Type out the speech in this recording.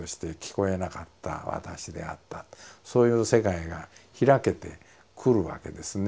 そういう世界が開けてくるわけですね